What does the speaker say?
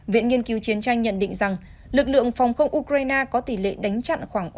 viện nghiên cứu chiến tranh nhận định rằng lực lượng phòng không ukraine có tỷ lệ đánh chặn khoảng ba mươi